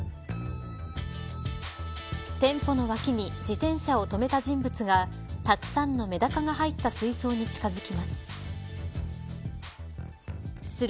店舗の脇に自転車を止めた人物がたくさんのメダカが入った水槽に近づきます。